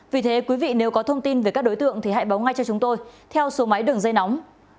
vì thế quý vị nếu có thông tin về các đối tượng thì hãy báo ngay cho chúng tôi theo số máy đường dây nóng